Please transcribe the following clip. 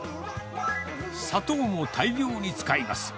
砂糖も大量に使います。